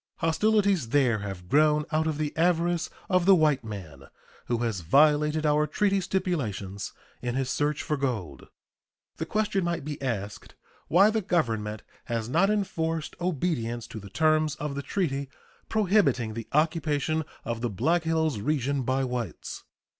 Hostilities there have grown out of the avarice of the white man, who has violated our treaty stipulations in his search for gold. The question might be asked why the Government has not enforced obedience to the terms of the treaty prohibiting the occupation of the Black Hills region by whites.